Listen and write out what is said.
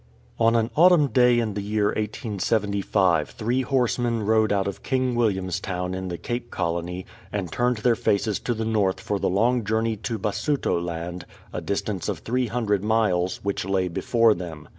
ON an autumn day in the year 1875 three horsemen rode out of King William's Town in the Cape Colony, and turned their faces to the north for the long journey to Basutoland, a distance of 300 miles, which lay before them.